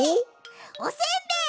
おせんべい！